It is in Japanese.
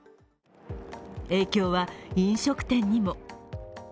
影響は飲食店にも。